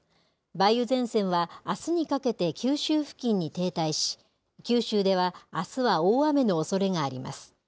梅雨前線はあすにかけて九州付近に停滞し、九州ではあすは大雨のおそれがあります。